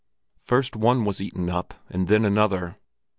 First one was eaten up and then another.